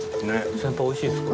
先輩おいしいですこれ。